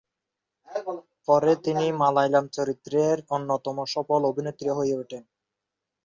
পরে তিনি মালয়ালম চলচ্চিত্রের অন্যতম সফল অভিনেত্রী হয়ে ওঠেন।